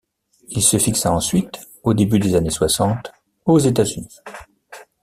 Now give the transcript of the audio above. Il se fixa ensuite, au début des années soixante, aux États-Unis.